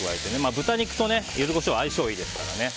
豚肉とユズコショウは相性がいいですからね。